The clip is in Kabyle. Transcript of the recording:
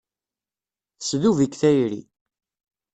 Tesdub-ik tayri.